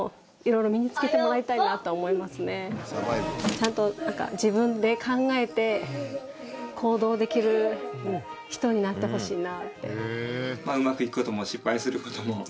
ちゃんと自分で考えて行動できる人になってほしいなって。